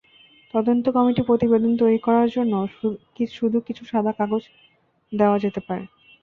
তদন্ত কমিটিকে প্রতিবেদন তৈরি করার জন্য শুধু কিছু সাদা কাগজই দেওয়া যেতে পারে।